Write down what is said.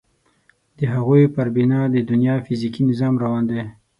د هغوی پر بنا د دنیا فیزیکي نظام روان دی.